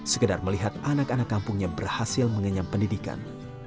sekedar melihat anak anak kampungnya berhasil mengenyam pendidikan